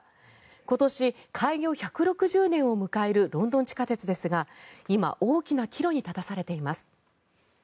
今年、開業１６０年を迎えるロンドン地下鉄ですが今、大きな岐路に立たされています。